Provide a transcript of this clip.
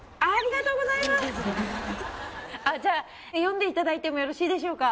あっじゃあ読んでいただいてもよろしいでしょうか？